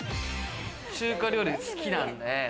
中華料理好きなんで。